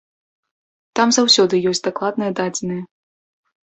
Там заўсёды ёсць дакладныя дадзеныя.